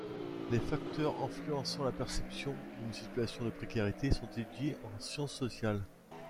Les facteurs influençant la perception d'une situation de précarité sont étudiés en sciences sociales.